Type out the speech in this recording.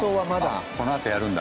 あっこのあとやるんだ。